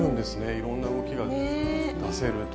いろんな動きが出せるという。ね。